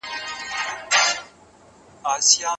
زموږ په ټولنه کي د منځنۍ لارې خلګ لږ دي.